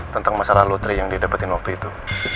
tentang masalah lotre yang dia dapetin waktu itu